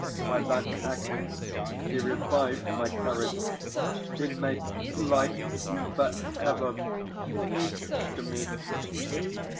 By that act he revived my courage, he made life forever sweet to me....